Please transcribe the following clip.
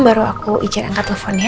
baru aku izin angkat teleponnya